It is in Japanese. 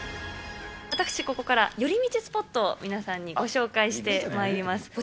私、ここから寄り道スポットを皆さんにご紹介してまいります。